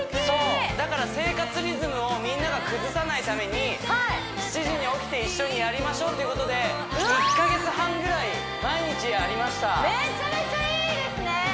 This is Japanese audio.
そうだから生活リズムをみんなが崩さないために７時に起きて一緒にやりましょうっていうことで１カ月半ぐらい毎日やりましためちゃめちゃいいですね！